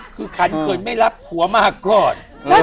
คือขันเขินไม่รับผัวมาก่อน